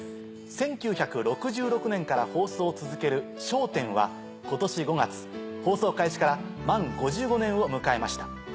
１９６６年から放送を続ける『笑点』は今年５月放送開始から満５５年を迎えました。